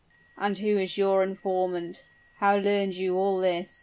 "And who is your informant? how learned you all this?"